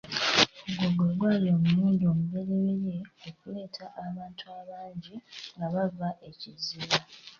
Ogwo gwe gwali omulundi omubereberye okuleeta abantu abangi nga bava e Kiziba.